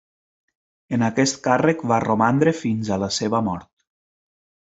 En aquest càrrec va romandre fins a la seva mort.